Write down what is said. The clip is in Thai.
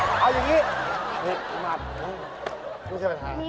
เอาอย่างนี้